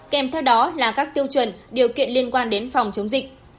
kèm theo đó là các tiêu chuẩn điều kiện liên quan đến phòng chống dịch